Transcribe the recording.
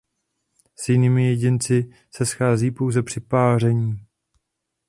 S jinými jedinci se schází pouze při páření.